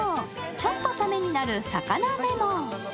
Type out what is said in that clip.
ちょっとタメになる魚メモ。